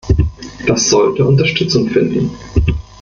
Das sollte Unterstützung finden.